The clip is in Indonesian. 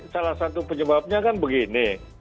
salah satu penyebabnya kan begini